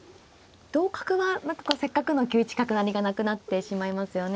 同角は何かこうせっかくの９一角成がなくなってしまいますよね。